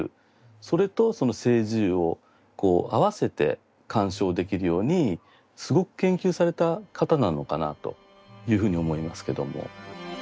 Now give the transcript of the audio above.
それとその青磁釉をあわせて鑑賞できるようにすごく研究された方なのかなというふうに思いますけども。